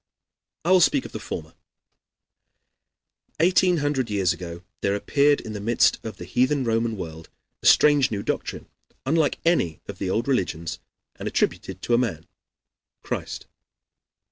I will speak first of the former. Eighteen hundred years ago there appeared in the midst of the heathen Roman world a strange new doctrine, unlike any of the old religions, and attributed to a man, Christ.